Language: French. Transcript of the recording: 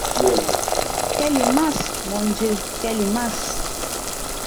Quelle limace, mon Dieu ! quelle limace !